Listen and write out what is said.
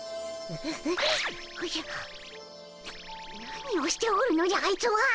何をしておるのじゃあいつは。